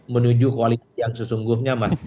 menuju kualitas yang sesungguhnya aman